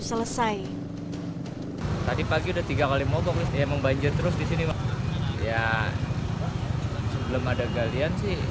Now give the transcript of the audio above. selesai tadi pagi udah tiga kali motor yang banjir terus di sini ya belum ada galian sih